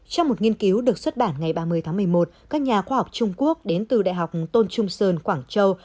trong một nghiên cứu được xuất bản ngày ba mươi tháng một mươi một các nhà khoa học trung quốc đến từ đại học tôn trung sơn quảng châu